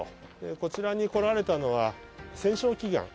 こちらに来られたのは戦勝祈願。